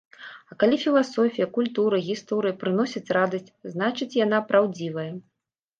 А калі філасофія, культура, гісторыя прыносіць радасць, значыць, яна праўдзівая.